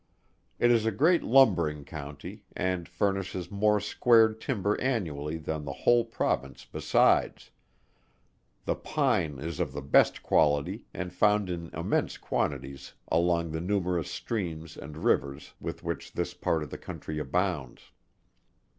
It is a great lumbering county, and furnishes more squared timber annually than the whole Province besides: The pine is of the best quality, and found in immense quantities along the numerous streams and rivers with which this part of the country abounds.